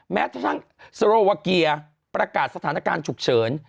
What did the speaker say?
แม้กระทั่งสโรวาเกียร์ประกาศสถานการณ์ฉุกเฉิน